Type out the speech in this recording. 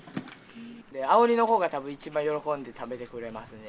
愛織のほうがたぶん一番喜んで食べてくれますね。